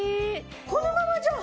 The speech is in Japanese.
このままじゃあ